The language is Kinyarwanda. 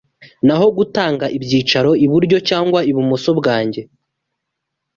naho gutanga ibyicaro iburyo cyangwa ibumoso bwanjye